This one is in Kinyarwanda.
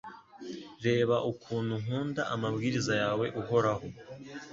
Reba ukuntu nkunda amabwiriza yawe Uhoraho